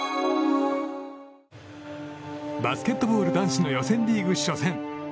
バスケットボール男子の予選リーグ初戦。